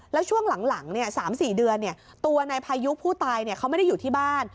แล้วช่วงหลัง๓๔เดือนตัวนายพายุผู้ตายเขาไม่ได้อยู่ที่บ้าน